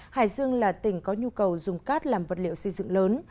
hải dương là tỉnh có nhu cầu dùng cát làm vật liệu xây dựng lớn